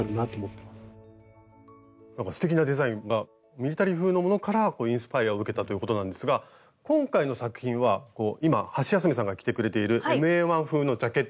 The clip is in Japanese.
ミリタリー風のものからインスパイアを受けたということなんですが今回の作品は今ハシヤスメさんが着てくれているＭＡ−１風のジャケット。